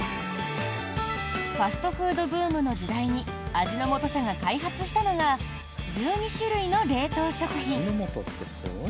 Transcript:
ファストフードブームの時代に味の素社が開発したのが１２種類の冷凍食品。